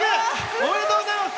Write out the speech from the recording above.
おめでとうございます！